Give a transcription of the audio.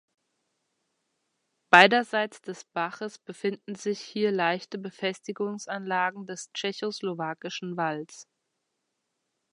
Beiderseits des Baches befinden sich hier leichte Befestigungsanlagen des Tschechoslowakischen Walls.